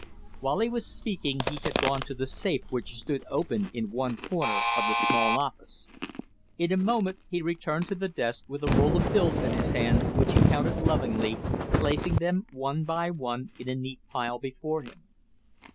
While he was speaking, he had gone to the safe which stood open in one corner of the small office. In a moment he returned to the desk with a roll of bills in his hands which he counted lovingly, placing them, one by one, in a neat pile before him.